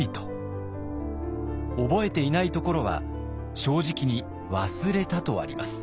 覚えていないところは正直に「ワスレタ」とあります。